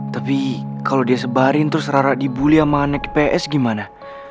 tapi kalau dia sebarin terus rara dibully sama anak ps gimana